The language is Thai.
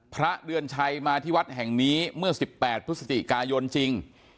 พระเดือนชัยมาที่วัดแห่งนี้เมื่อ๑๘พฤศจิกายนจริง